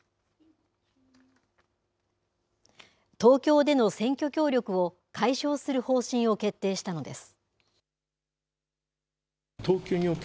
東京での選挙協力を解消する方針を決定したのです。